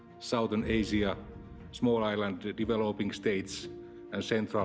asia tenggara negara negara pembangunan kecil dan amerika tenggara dan central